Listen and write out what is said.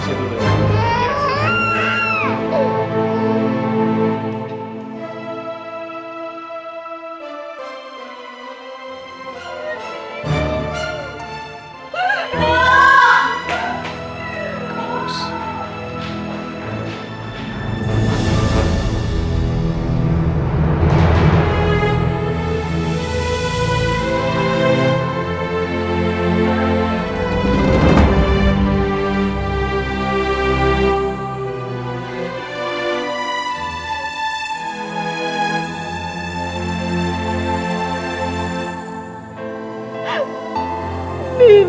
seperti anak kandung kami sendiri